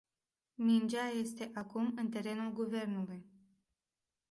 Mingea este acum în terenul guvernului.